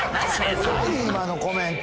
今のコメント